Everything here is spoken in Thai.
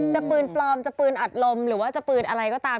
ปืนปลอมจะปืนอัดลมหรือว่าจะปืนอะไรก็ตาม